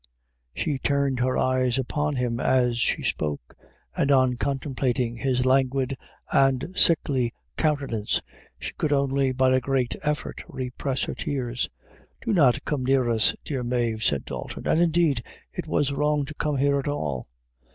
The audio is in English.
She turned her eyes upon him as she spoke, and, on contemplating his languid and sickly countenance, she could only, by a great effort, repress her tears. "Do not come near us, dear Mave," said Dalton, "and, indeed, it was wrong to come here at all."